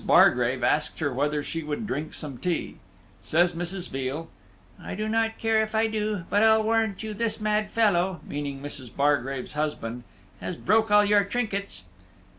Bargrave asked her whether she would drink some tea. Says Mrs. Veal, "I do not care if I do; but I'll warrant you this mad fellow" meaning Mrs. Bargrave's husband "has broke all your trinkets."